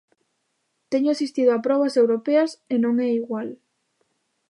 Teño asistido a probas europeas e non é igual.